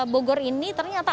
bogor ini ternyata